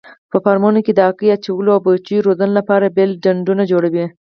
په فارمونو کې د هګۍ اچولو او بچیو روزنې لپاره بېل ډنډونه جوړوي.